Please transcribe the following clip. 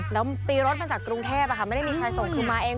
แล้วตีรถมาจากกรุงเทพไม่ได้มีใครส่งคือมาเอง